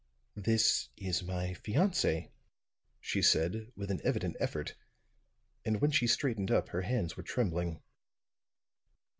"This is my fiance," she said with an evident effort; and when she straightened up her hands were trembling.